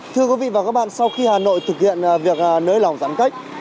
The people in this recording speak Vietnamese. thưa quý vị và các bạn sau khi hà nội thực hiện việc nới lỏng giãn cách